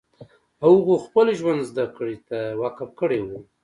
هغو خپل ژوند زدکړې ته وقف کړی و